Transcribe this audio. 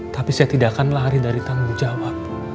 tapi saya tidak akan lari dari tanggung jawab